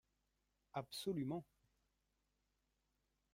Absolument